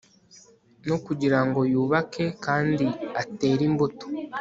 no kugira ngo yubake kandi atere imbuto